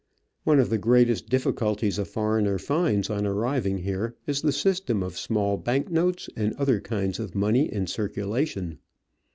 One of the greatest difficulties a foreigner finds on arriving here is the system of small bank notes and other kinds of money in circulation.